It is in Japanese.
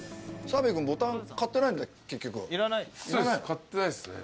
買ってないっすね。